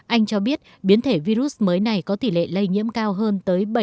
anh cho biết biến thể virus mới này có tỷ lệ lây nhiễm cao hơn